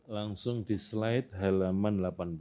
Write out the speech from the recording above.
langsung di slide halaman delapan belas